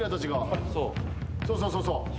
そうそうそうそう。